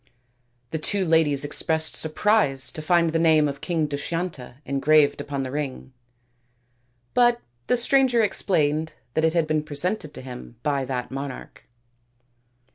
The two ladies expressed surprise to find the name of King Dushyanta en graved upon the ring, but the stranger explained that it had been presented to him by that monarch.